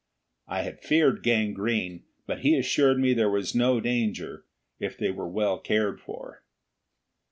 I had feared gangrene, but he assured me that there was no danger if they were well cared for.